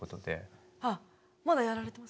あまだやられてますか？